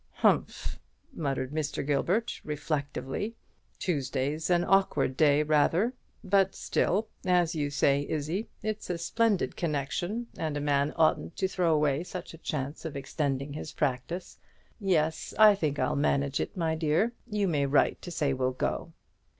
"Humph!" muttered Mr. Gilbert, reflectively; "Tuesday's an awkward day, rather. But still, as you say, Izzie, it's a splendid connection, and a man oughtn't to throw away such a chance of extending his practice. Yes, I think I'll manage it, my dear. You may write to say we'll go."